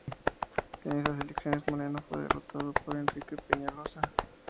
En esas elecciones Moreno fue derrotado por por Enrique Peñalosa.